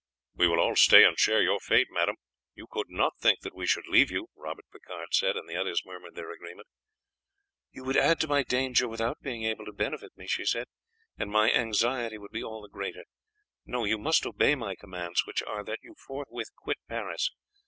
"We will all stay and share your fate, madame. You could not think that we should leave you," Robert Picard said, and the others murmured their agreement. "You would add to my danger without being able to benefit me," she said, "and my anxiety would be all the greater. No, you must obey my commands, which are that you forthwith quit Paris.